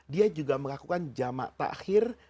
dia juga melakukan jamat takhir